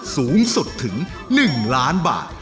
สูงสุดถึง๑ล้านบาท